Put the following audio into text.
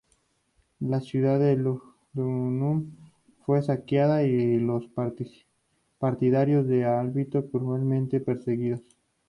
La ciudad de Lugdunum fue saqueada y los partidarios de Albino cruelmente perseguidos.